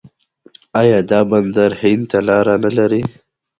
آیا دا بندر هند ته لاره نلري؟